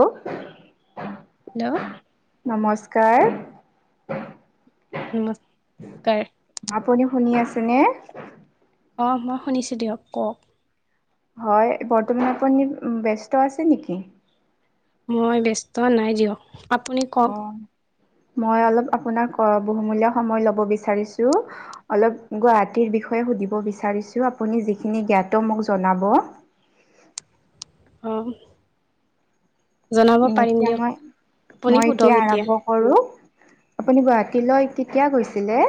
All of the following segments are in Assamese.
অহ হেল্ল' নমস্কাৰ নমস্কাৰ আপুনি শুনি আছে নে অঁ মই শুনিছোঁ দিয়ক কওক হয় বৰ্তমান আপোনি ব্যস্ত আছে নেকি মই ব্যস্ত নাই দিয়ক আপুনি কওক অঁ মই অলপ আপোনাক বহুমূলীয়া সময় লব বিচাৰিছো অলপ গুৱাহাটীৰ বিষয়ে বিষয় সুধিব বিচাৰিছোঁ আপুনি যি খিনি জ্ঞাত মোক জনাব অঁ জনাব উ পাৰিম এতিয়া দিয়ক মই আপুনি মই এতিয়া সোধক আৰম্ভ কৰো আপুনি গুৱাহাটীলৈ কেতিয়া গৈছিলে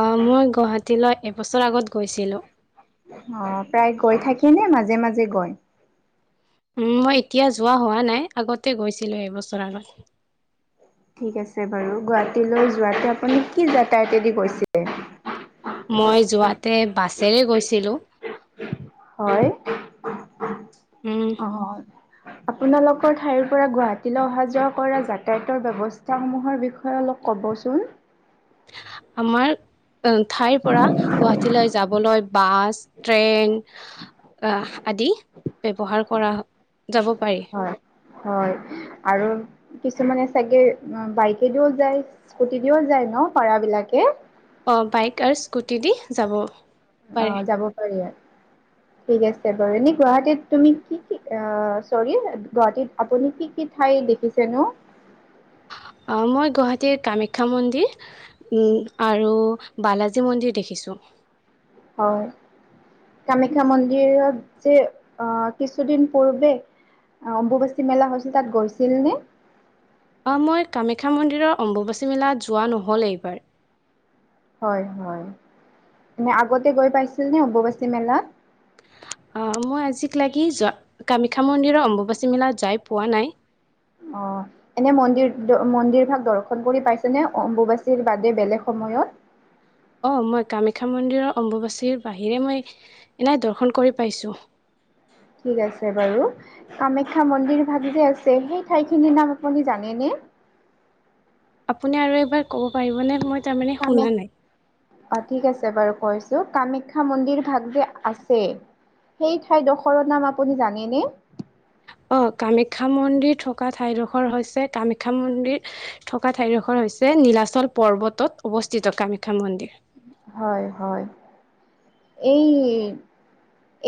আহ মই গুৱাহাটীলৈ এবছৰ আগত গৈছিলোঁ অ প্ৰায় গৈ থাকি নে মাজে মাজে গৈ উম মই এতিয়া যোৱা হোৱা নাই আগতে গৈছিলো এবছৰ আগত ঠিক আছে বাৰু গুৱাহাটীলৈ যোৱা আপুনি কি যাতায়তে দি গৈছিলে মই যোৱাতে বাছেৰে গৈছিলো হয় উম, অ আপোনালোকৰ ঠাইৰ পৰা গুৱাহাটীলৈ অহা যোৱা কৰা যাতায়তৰ ব্যৱস্থাসমূহৰ বিষয়ে অলপ ক'ব কবচোন আমাৰ ঠাইৰ পৰা গুৱাহাটীলৈ যাবলৈ বাছ ট্ৰেইন আহ আদি ব্যৱহাৰ কৰা যাব পাৰি হয় হয় আৰু কি কিছুমানে চাগে বাইকে দিও যায় স্কুটি দিও যায় ন পাৰা বিলাকে অ বাইক আৰু স্কুটি দি যাব পাৰে আহ যাব পাৰি ঠিক আছে বাৰু এনে গুৱাহাটীত তুমি কি কি চৰি গুৱাহাটীত আপুনি কি কি ঠাই দেখিছে ন অ মই গুৱাহাটীৰ কামাখ্যা মন্দিৰ উম আৰু বালাজী মন্দিৰ দেখি দেখিছোঁ হয় কামাখ্যা মন্দিৰত যে অহ কিছুদিন পূৰ্বে অম্বুবাচী মেলা হৈছিল তাত গৈছিল নে মই কামাখ্যা মন্দিৰৰ অম্বুবাচী মেলাত যোৱা নহ'ল এইবাৰ হয় হয় মানে আগতে গৈ পাইছিল নে অবাচী মেলা অ মই আজিক লাগি যোৱা কামাখ্যা মন্দিৰৰ অম্বুবাচী মেলা যাই পোৱা নাই অ এনে মন্দিৰ মন্দিৰ ভাগ দৰ্শন কৰি পাইছেনে অম্বুবাচীৰ বাদে বেলেগ সময়ত উ অ মই কামাখ্যা মন্দিৰৰ অম্বুবাচীৰ বাহিৰে মই এনোই দৰ্শন কৰি পাইছো উ ঠিক আছে বাৰু কামাখ্যা মন্দিৰ ভাগ যে আছে সেই ঠাইখিনিৰ নাম আপুনি জানেনে [inaudible] আপুনি আৰু এইবাৰ ক'ব পাৰিবনে মই তাৰমানে কামে শুনা নাই অ ঠিক আছে বাৰু কৈছোঁ কামাখ্যা মন্দিৰ ভাগ যে আছে সেই ঠাই দখৰৰ নাম আপুনি জানেনে অ কামাখ্যা মন্দিৰ থকা ঠাইডোখৰ হৈছে কামাখ্যা মন্দিৰ থকা ঠাইডোখৰ হৈছে নীলাচল পৰ্বতত অৱস্থিত কামাখ্যা মন্দিৰ। হয় হয় এই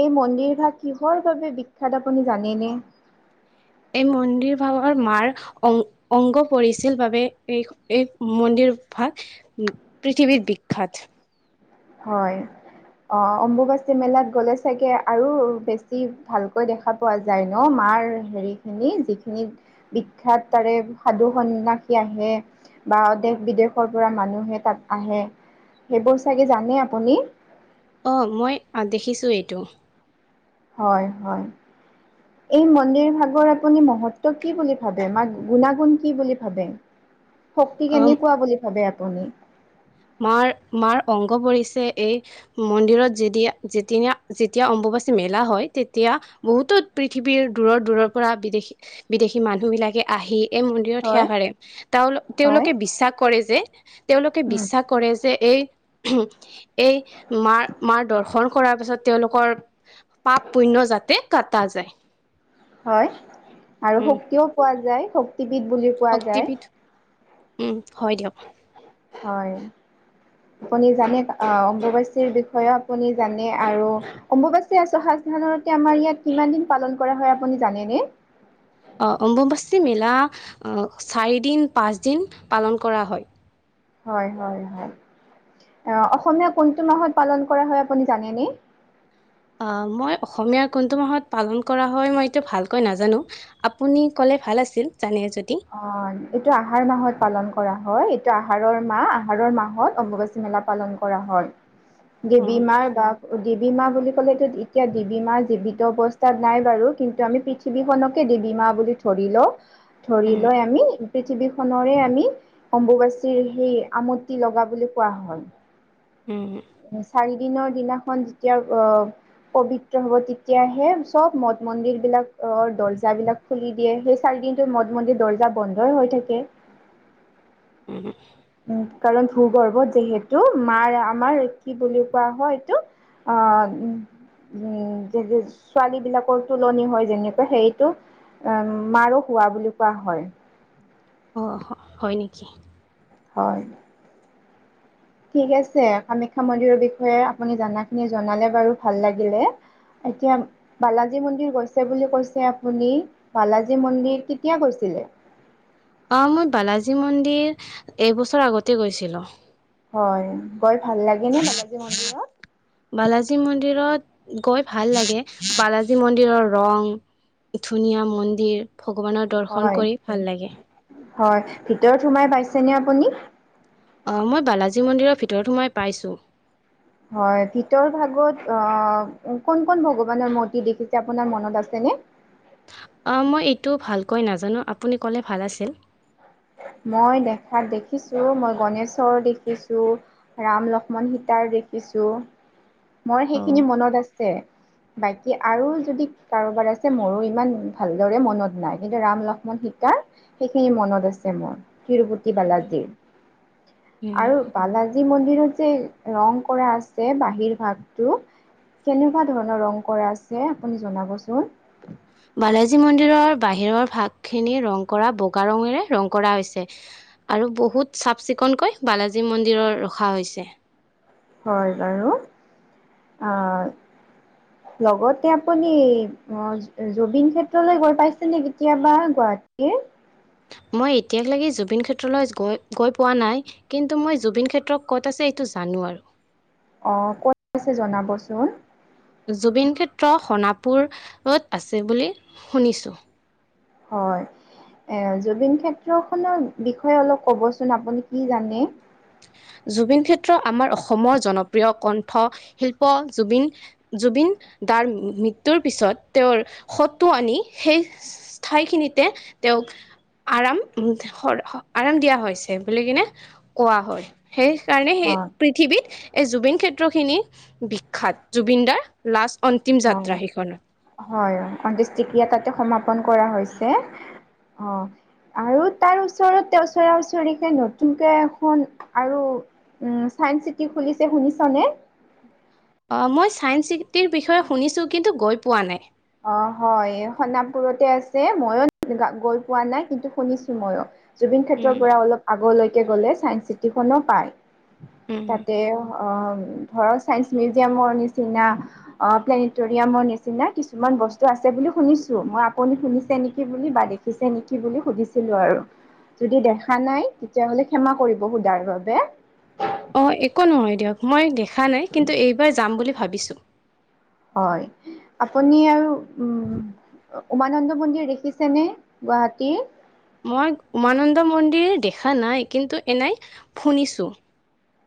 এই মন্দিৰভাগ কিহৰ বাবে বিখ্যাত আপুনি জানেনে। এই মন্দিৰ ভাৱৰ মাৰ অংগ অংগ পৰিছিল বাবে এই এই মন্দিৰ। ভাগ পৃথিৱীৰ বিখ্যাত। হয় অ অম্বুবাচী মেলাত গ'লে চাগে আৰু বেছি ভালকৈ দেখা পোৱা যায় ন মান আমাৰ হেৰি খিনি যিখিনি বিখ্যাত তাৰে সাধু সন্য়াসী আহে। বা দেশ বিদেশৰ পৰা মানুহে তাত আহে সেইবোৰ চাগে জানে আপুনি। অ মই দেখিছোঁ এইটো। হয় হয় এই মন্দিৰ ভাগৰ আপুনি মহত্ব কি বুলি ভাবে মাক গুণাগুণ কি বুলি ভাবে। শক্তি অ কেনেকুৱা বুলি ভাবে আপুনি। মাৰ মাৰ অংগ পৰিছে এই মন্দিৰত যেতিয়া যেতি যেতিয়া অম মেলা হয় তেতিয়া বহুতো পৃথিৱীৰ দূৰৰ দূৰৰ পৰা বিদেশী বিদেশী মানুহ বিলাক আহি এই মন্দিৰত হয় সেৱ হয় তেওঁলোকে বিশ্বাস কৰে যে তেওঁলোকে উম বিশ্বাস। কৰে যে এই। এই মাৰ, মাৰ দৰ্শন কৰাৰ পিছত তেওঁলোকৰ। পাপ পুণ্য যাতে কটা যায়। হয় আৰু উম শক্তিও পোৱা যায় শক্তিবদ বুলি কোৱা যায়। শক্তিবিধ উম হয় দিয়ক। হয় আপুনি জানে অম্বুবাচীৰ বিষয়েও আপুনি জানে আৰু অম্বুবাচী আছ সাজ ন। আমাৰ ইয়াত কিমান দিন পালন কৰা হয় আপুনি জানেনে? অ অম্বুবাচী মেলা চাৰিদিন পাঁচদিন পালন কৰা হয়। হয় হয়। আহ অসমীয়া কোনটো মাহত পালন কৰা হয় আপুনি জানেনে? মই অসমীয় কোনটো মাহত পালন কৰা হয় মই ভালকৈ নাজানো আপুনি কলে ভাল আছিল জানে যদি অ এইটো আহাৰ মাহত পালন কৰা। হয় এইটো আহাৰৰ মাহ আহাৰৰ মাহত অম্বুবাচী মেলা পালন কৰা হয়। দেৱী মাৰ বাপ দে দেৱীমা বুলি ক'লেতো এতিয়া দেৱী মা জীৱিত অৱস্থাত নাই বাৰু কিন্তু আমি পৃথিৱীখননকে দেৱী মা বুলি ধৰি ল ধৰি লৈ আমি। পৃথিৱী খনেৰে আমি অম্বুবাচীৰ সেই আমটি লগা বুলি কোৱা হয়। হম দিনৰ দিনাখন যেতিয়া অ পবিত্ৰ হ'ব তেতিয়াহে চব মঠ -মন্দিৰ বিলাক অ দৰ্জা বিলাক খুলি দিয়ে সেই চাৰি দিনটো মঠ -মন্দিৰ দৰ্জা বন্ধই হৈ থাকে। উ উম, কাৰণ ভূগৰ্ভত যিহেতু মাৰ আমাৰ কি বুলি কোৱা হয় এইটো অ উ- উম যে ছোৱালী বিলাকৰ তুলনি হয় যেনেকা সেইটো উম মাৰো হোৱা বুলি কোৱা হয়। অ হয় নেকি? হয় ঠিক আছে কামাখ্যা মন্দিৰৰ বিষয়ে আপুনি জানা খিনি জনালে বাৰু ভাল লাগিলে। এতিয়া বালাজী মন্দিৰ গৈছে বুলি কৈছে আপুনি বালাজী মন্দিৰ কেতিয়া গৈছিলে? উ [inaudible] অ মই বালাজী মন্দিৰ এইবছৰ আগতে গৈছিলো। হয় গৈ ভাল লাগে নে বালাজী মন্দিৰত? বালাজী মন্দিৰত গৈ ভাল লাগে, বালাজী মন্দিৰৰ ৰং ধুনীয়া মন্দিৰ, ভগৱানৰ দৰ্শন হয়, কৰি ভাল লাগে। হয় ভিতৰত সোমাই পাইছেনে আপুনি? অ মই বালাজী মন্দিৰৰ ভিতৰত সোমাই পাইছোঁ। হয় ভিতৰ ভাগত অ কোন-কোন ভগৱানৰ মূৰ্তি দেখিছে, আপোনাৰ মনত আছে নে অ মই এইটো ভালকৈ নাজানো, আপুনি ক'লে ভাল আছিল। [unintelligible] মই দেখাত দেখিছোঁ মই গণেশৰ দেখিছোঁ, ৰাম, লক্ষ্মণ, সীতাৰ দেখি চো, মই অ সেইখিনি মনত আছে। বাকী আৰু যদি কাৰোবাৰ আছে মোৰো ইমান ভালদৰে মনত নাই, কিন্তু ৰাম লক্ষ্মণ সী তাৰ সেইখিনি মনত আছে মোৰ তিৰুপতি বালাজীৰ উম আৰু বালাজী মন্ মন্দিৰত বাহিৰত যে ৰং কৰা আছে, বাহিৰ ভাগটো কেনেকুৱা ধৰণৰ ৰং কৰা আছে আপুনি জনাবচোন? বালাজী মন্দিৰৰ বাহিৰৰ ভাগখিনি ৰং কৰা বগা ৰঙৰে ৰং কৰা হৈছে আৰু বহুত চাফ চিকুণকৈ বালাজী মন্দিৰৰ ৰখা হৈছে। হয় বাৰু আঁ লগতে আপুনি অ জুবিন ক্ষেত্ৰলৈ গৈ পাইছে নে কেতিয়াবা, গোৱা তাকে [unintelligible] মই এতিয়ালেকে জুবিন ক্ষেত্ৰলৈ গৈ-গৈ পোৱা নাই, কিন্তু মই জুবিন ক্ষেত্ৰত ক'ত আছে এইটো জানো আৰু। অ কত আছে জনাবচোন? জুবিন ক্ষেত্ৰ সণাপুৰ ত আছে বুলি শুনিছোঁ। হয়। এ জুবিন ক্ষেত্ৰ খনৰ বিষয়ে অলপ ক'বচোন আপুনি কি জানে? জুবিন ক্ষেত্ৰ আমাৰ অসমৰ জনপ্ৰিয় কণ্ঠ শিল্প জুবিন-জুবিন দাৰ মৃত্যুৰ পিছত তেওঁৰ শটো আনি সেই ঠাইখিনিতে তেওঁক আৰাম শ আৰাম দিয়া হৈছে বুলি কিনে কোৱা হয়। সেইকাৰণে সেই হয়, পৃথিৱীত এই জুবিন ক্ষেত্ৰ খিনি বিখ্যাত, জুবিন দাৰ লাষ্ট অন্তিম যাত্ৰা সেইখন। অন্তিষ্টিক্ৰিয়া তাতে সমাপন কৰা হৈছে, অ৷ আৰু তাৰ ওচতে ওচৰা ওচৰিকে নতুনকে এখন আৰু ছাইন চিটি খুলিছে শুনিছানে? অ মই ছাইন চিটিৰ বিষয়ে শুনিছোঁ, কিন্তু গৈ পোৱা নাই। অ হয় সণাপুৰতে আছে, মইও গৈ পোৱা নাই কিন্তু শুনিছো মৈয়ো। জুবিন ক্ষেত্ৰৰ উম পৰা অলপ আগলৈকে গ'লে ছাইন চিটিখনো পায়। উম তাতে অ ধৰ চাইন্স মিউজিয়ামৰ নিচিনা অ প্লেনেটৰিয়ামৰ নিচিনা কিছু কিছুমান বস্তু আছে বুলি শুনিছোঁ, মই আপুনি শুনিছে নেকি বুলি বা দেখিছে নেকি বুলি সুধিছিলোঁ আৰু। যদি দেখা নাই তেতিয়াহলে ক্ষমা কৰিব সোধাৰ বাবে। অ একো নহয় দিয়ক, মই দেখা নাই, কিন্তু এইবাৰ যাম বুলি ভাবিছো। হয় আপুনি আৰু উম উমানন্দ মন্দিৰ দেখিছেনে গুৱাহাটীৰ? মই উমানন্দ মন্দিৰ দেখা নাই, কিন্তু এনাই শুনিছোঁ।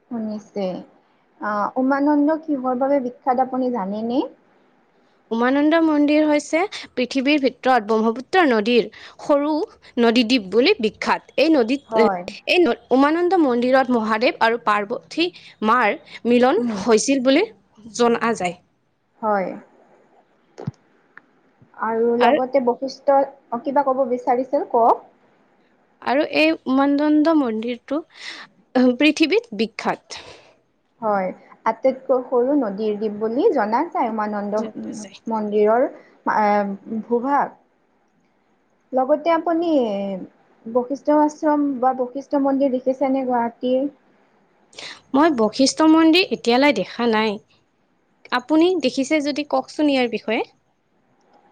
শুনিছে আহ উমানন্দ কিহৰ বাবে বিখ্যাত আপুনি জানেনে? উমানন্দ মন্দিৰ হৈছে পৃথিৱীৰ ভিতৰত ব্ৰহ্মপুত্ৰ নদীৰ সৰু নদীদ্বীপ বুলি বিখ্যাত। এই নদীত হয় এই উমানন্দ মন্দিৰত মহাদেৱ আৰু পাৰ্বতী মাৰ মিলন উম হৈছিল বুলি জনা যায় হয় আৰু লগতে বৈশিষ্ট অ কিবা কব বিচাৰিছিল ক আৰু এই উমানন্দ মন্দিৰটো পৃথিৱীত বিখ্যাত হয় আটাইতকৈ সৰু নদীৰ দ্বীপ বুলি জাত উমানন্দ জনা যায়। মন্দিৰৰ ভূভাগ লগতে আপুনি বৈশিষ্ট আশ্ৰম বা বৈশিষ্ট মন্দিৰ দেখিছে নে গুৱাহাটীৰ অ মই বশিষ্ঠ মন্দিৰ এতিয়ালৈ দেখা নাই আপুনি দেখিছে যদি কওকচোন ইয়াৰ বিষয়ে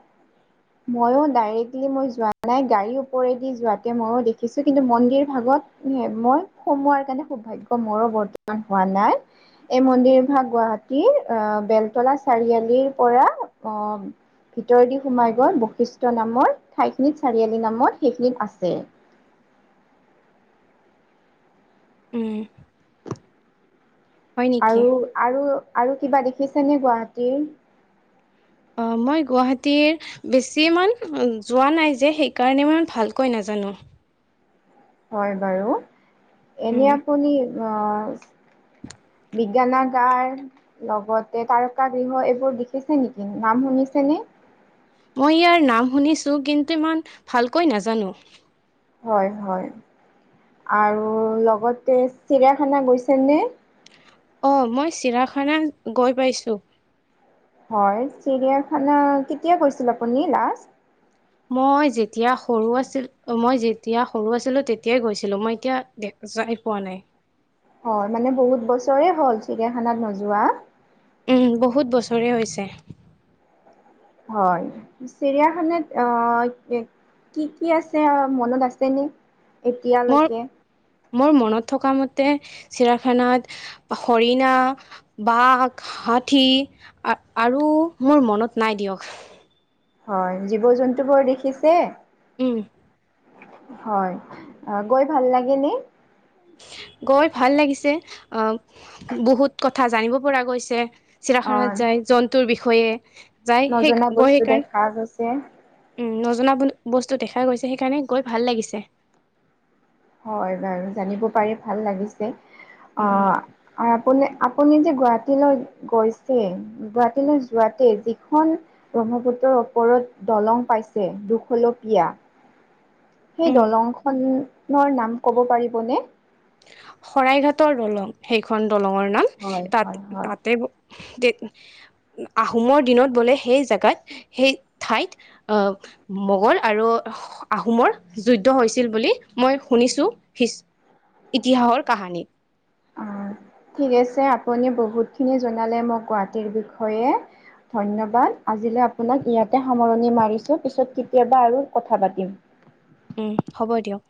[inaudible] মই ডাইৰেক্টলি মই যোৱা নাই গাড়ীৰ ওপৰেদি যোৱাতে ময়ো দেখিছো কিন্তু মন্দিৰ ভাগত মই সোমোৱাৰ কাৰণে হৌভাগ্য মোৰো বৰ্তমান হোৱা নাই এই মন্দিৰ ভাগ গোৱা মাটিৰ অ বেলতলা চাৰিআলিৰ পৰা অ ভিতৰ দি সোমাই বৈশিষ্ট নামৰ ঠাইখিনিত চাৰিআলি নামত সেইখিনিত আছে [inaudible] উম হয় নেকি আৰু আৰু আৰু কিবা দেখিছেনে গুৱাহাটীৰ অ মই গুৱাহাটীৰ বেছি মান যোৱা নাই যে সেইকাৰণে মই ভালকৈ নাজানো হয় বাৰু এনে উম আপুনি বিজ্ঞানাগাৰ লগতে তাৰকা গৃহ এইবোৰ দেখিছে নেকি নাম শুনি ছে ন মই ইয়াৰ নাম শুনিছোঁ কিন্তু ইমান ভালকৈ নাজানো হয় হয় আৰু লগতে চিৰিয়াখানা গৈছেনে অ মই চিৰাখানা গৈ পাইছো হয় চিৰিয়াখানা কেতিয়া গৈছিল আপুনি লাষ্ট মই যেতিয়া সৰু আছিল মই যেতিয়া সৰু আছিলো তেতিয়াই গৈছিলো মই এতিয়া দে যাই পোৱা নাই হয় মানে বহুত বছৰে হ'ল চিৰিয়াখানাত নোযোৱা উ বহুত বছৰে হৈছে হয় চিৰিয়াখানাত আহ কি কি আছে মনত আছেনে মোৰ এতিয়ালৈকে মোৰ মনত থকা মতে চিৰাখানাত হৰিণা বাঘ হঠি আৰু মোৰ মনত নাই দিয়ক হয় জীৱ জন্তু বৰ দেখিছে উম হয় গৈ ভাল লাগে নে গৈ ভাল লাগিছে আহ বহুত কথা জানিব পৰা গৈছে অ চিৰাখানাত যায় জন্তুৰ বিষয়ে যাই সেই নজনা গৈ বস্তু সেইকাৰণে দেখা গৈছে উম নজনা বুলি বস্তু দেখা গৈছে সেইকাৰণে গৈ ভাল লাগিছে হয় বাৰু জানিব পাৰি ভাল লাগিছে উম অ আপ আপুনি যে গুৱাহাটীলৈ গৈছে গুৱাহাটীলৈ যোৱাতে যিখন ব্ৰহ্মভূত্ৰৰ ওপৰত দলং পাইছে দুশলপিয় সেই উম দলংখনৰ নাম ক'ব পাৰিবনে শৰাই ঘাটৰ দলং সেইখন দলঙৰ নাম হয় তা হয় হয়। তাতে যে আহোমৰ দিনত বোলে সেই জাগাত সেই ঠাইত আহ মগল আৰু। আহোমৰ যুদ্ধ হৈছিল বুলি মই শুনিছো ইতিহাসৰ। কাহানী। অ ঠিক আছে আপুনি বহুতখিনি জনালে মোক গুৱাহাটীৰ বিষয়ে। ধন্যবাদ আজিলৈ আপোনাক ইয়াতে সামৰণি মাৰিছো পিছত কেতিয়াবা আৰু কথা পাতিম। উ হ'ব দিয়ক।